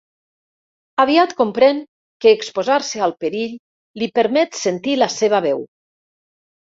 Aviat comprèn que exposar-se al perill li permet sentir la seva veu.